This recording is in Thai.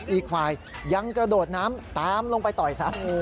อีกฝ่ายยังกระโดดน้ำตามลงไปต่อยซะ